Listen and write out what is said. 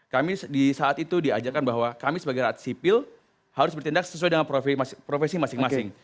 kami di saat itu diajarkan bahwa kami sebagai rakyat sipil harus bertindak sesuai dengan profesi masing masing